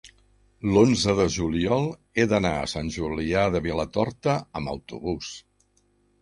l'onze de juliol he d'anar a Sant Julià de Vilatorta amb autobús.